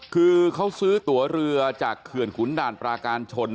คือเขาซื้อตัวเรือจากเขื่อนขุนด่านปราการชน